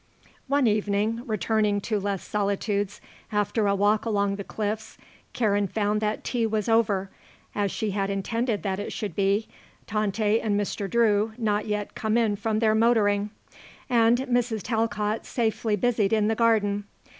One evening, returning to Les Solitudes after a walk along the cliffs, Karen found that tea was over, as she had intended that it should be, Tante and Mr. Drew not yet come in from their motoring, and Mrs. Talcott safely busied in the garden.